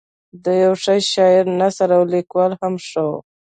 د یوه ښه شاعر نثر او لیکوالي هم ښه وه.